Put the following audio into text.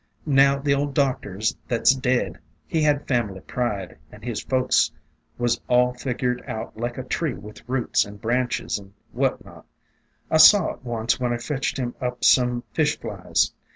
Now the old doctor thet 's dead, he had fam'ly pride, and his folks was all figured out like a tree with roots and branches and what not. I saw it once when I fetched hjm up some fish flies.